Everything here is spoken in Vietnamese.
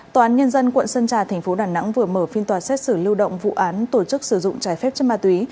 tòa án nhân dân quận sơn trà thành phố đà nẵng vừa mở phiên tòa xét xử lưu động vụ án tổ chức sử dụng trái phép chất ma túy